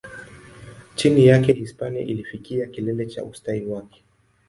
Chini yake, Hispania ilifikia kilele cha ustawi wake.